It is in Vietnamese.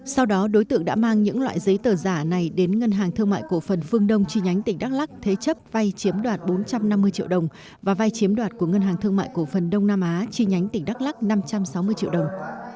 sau đó đối tượng đã mang những loại giấy tờ giả này đến ngân hàng thương mại cổ phần phương đông chi nhánh tỉnh đắk lắc thế chấp vay chiếm đoạt bốn trăm năm mươi triệu đồng và vay chiếm đoạt của ngân hàng thương mại cổ phần đông nam á chi nhánh tỉnh đắk lắc năm trăm sáu mươi triệu đồng